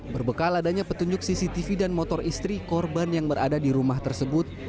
berbekal adanya petunjuk cctv dan motor istri korban yang berada di rumah tersebut